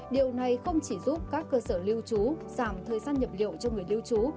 điều này không chỉ giúp các cơ sở lưu trú giảm thời gian nhập liệu cho người lưu trú